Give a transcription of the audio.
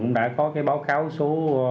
cũng đã có báo cáo số